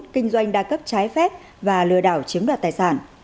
kinh doanh đa cấp trái phép và lừa đảo chiếm đoạt tài sản